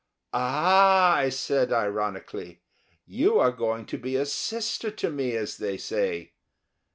"Ah!" I said, ironically, "you are going to be a sister to me, as they say."